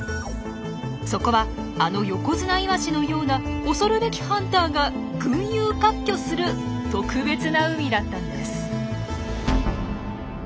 そこはあのヨコヅナイワシのような恐るべきハンターが群雄割拠する特別な海だったんです。